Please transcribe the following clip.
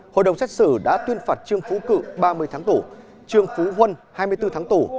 hội đồng xét xử đã tuyên phạt trương phú cự ba mươi tháng tù trương phú huân hai mươi bốn tháng tù